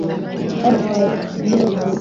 bagarutse kwa yozuwe